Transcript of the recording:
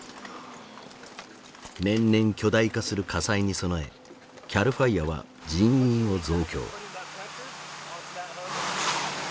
年々巨大化する火災に備えＣＡＬＦＩＲＥは人員を増強。